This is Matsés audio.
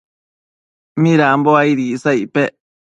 midambo aid icsa icpec ?